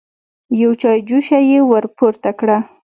يوه چايجوشه يې ور پورته کړه.